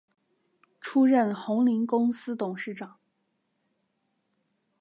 出任鸿霖公司董事长。